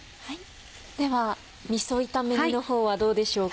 ではみそ炒め煮の方はどうでしょうか？